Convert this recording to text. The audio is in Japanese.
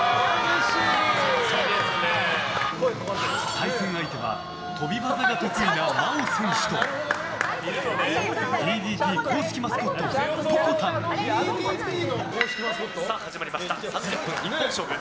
対戦相手は飛び技が得意なＭＡＯ選手とＤＤＴ公式マスコット、ポコたん。さあ、始まりました３０分１本勝負！